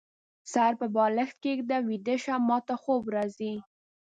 سر په بالښت کيږده ، ويده شه ، ماته خوب راځي